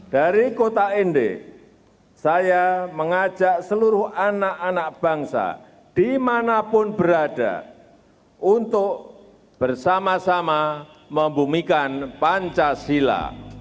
dari kota ende saya mengajak seluruh anak anak bangsa dimanapun berada untuk bersama sama membumikan pancasila